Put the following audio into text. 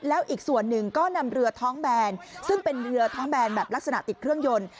แล้วอีกส่วนหนึ่งก็นำเรือท้องแบนซึ่งเป็นเรือท้องแบนแบบลักษณะติดเครื่องยนต์